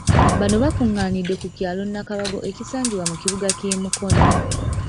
Bano bakungaanidde ku kyalo Nakabago ekisangibwa mu kibuga ky'e Mukono.